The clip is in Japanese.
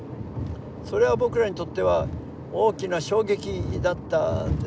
それは僕らにとっては大きな衝撃だったんですね。